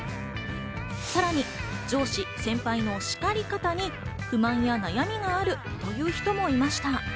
さらに上司・先輩の叱り方に不満や悩みがあるという人もいました。